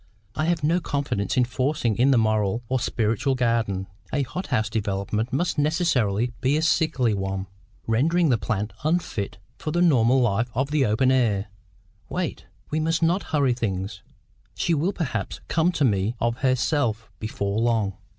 I have no confidence in FORCING in the moral or spiritual garden. A hothouse development must necessarily be a sickly one, rendering the plant unfit for the normal life of the open air. Wait. We must not hurry things. She will perhaps come to me of herself before long.